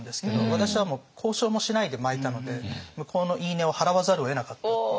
私はもう交渉もしないで巻いたので向こうの言い値を払わざるをえなかったっていう。